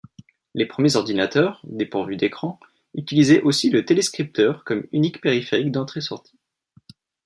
Les premiers ordinateurs, dépourvus d'écran, utilisaient aussi le télescripteur comme unique périphérique d'entrée-sortie.